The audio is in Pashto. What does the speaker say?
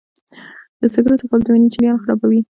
د سګرټ څکول د وینې جریان خرابوي.